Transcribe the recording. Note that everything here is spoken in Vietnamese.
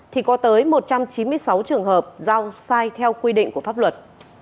thì có tới một trăm chín mươi sáu trường hợp giao sai theo quy định của pháp luật